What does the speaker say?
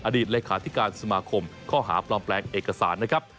เลขาธิการสมาคมข้อหาปลอมแปลงเอกสารนะครับ